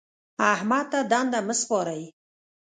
احمد ته دنده مه سپارئ.